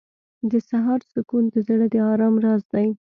• د سهار سکون د زړه د آرام راز دی.